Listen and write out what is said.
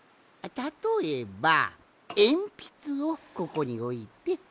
たとえばえんぴつをここにおいて。